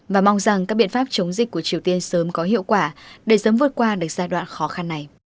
và mong rằng các biện pháp chống dịch của triều tiên sớm có hiệu quả để sớm vượt qua được giai đoạn khó khăn này